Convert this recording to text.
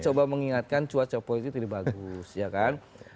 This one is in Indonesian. coba mengingatkan cuaca politik tidak bagus ya kan